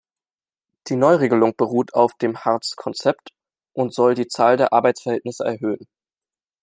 Die Neuregelung beruht auf dem Hartz-Konzept und soll die Zahl der Arbeitsverhältnisse erhöhen.